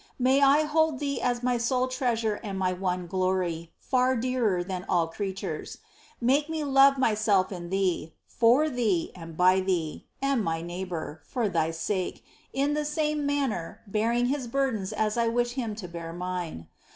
May I hold Thee as my sole Treasure and my one glory, far dearer than all creatures. Make me love myself in Thee, for Thee, and by Thee, and my neighbour, for Thy sake, in the same manner, bearing his burdens as 1 wish him to bear mine.